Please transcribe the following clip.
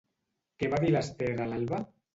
Què va dir l'Ester a l'Alba?